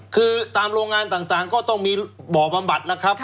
คือตามโรงงานต่างก็ต้องมีบ่อบำบัดนะครับ